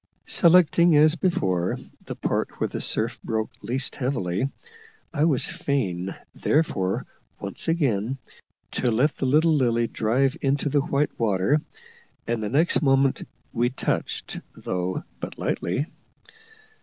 Selecting, as before, that part where the surf broke least heavily, I was fain therefore once again to let the little Lily drive into the white water, and the next moment we touched, though but lightly.